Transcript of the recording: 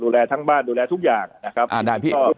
ดูแลทั้งบ้านดูแลทุกอย่างนะครับ